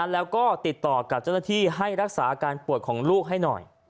แล้วก็ติดต่อกับเจ้าหน้าที่ให้รักษาอาการปวดของลูกให้หน่อย